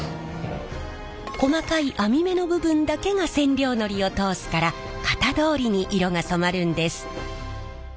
細かい網目の部分だけが染料のりを通すから型どおりに色が染まるんです。